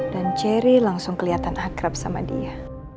dan cherry langsung kelihatan akrab sama dia